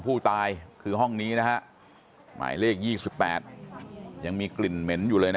ผู้ตายคือห้องนี้นะฮะหมายเลข๒๘ยังมีกลิ่นเหม็นอยู่เลยนะ